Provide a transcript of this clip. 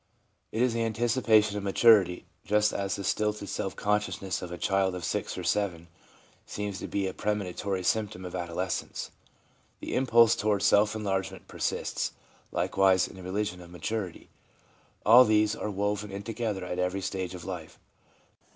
It is the anticipation of maturity, just as the stilted self consciousness of a child of six or seven seems to be a premonitory symptom of adolescence. The impulse toward self enlargement persists, likewise, in the religion of maturity. All these are woven in together at every stage of life.